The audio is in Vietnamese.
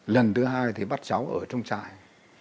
lần thứ hai thì bắt cháu ở trong trại